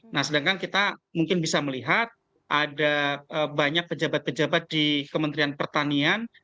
nah sedangkan kita mungkin bisa melihat ada banyak pejabat pejabat di kementerian pertanian